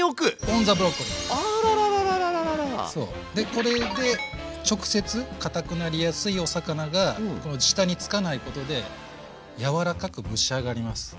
これで直接堅くなりやすいお魚が下につかないことで柔らかく蒸し上がります。